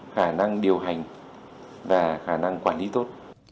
khả năng điều hành và khả năng quản lý tốt